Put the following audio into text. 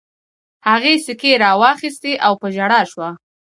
هغې سيکې را واخيستې او په ژړا شوه.